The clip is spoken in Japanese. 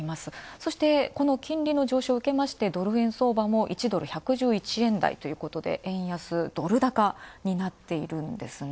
そしてこの金利の上昇をうけまして、ドル円相場も一時、１１１円台。ということで、円安ドル高になっているんですね。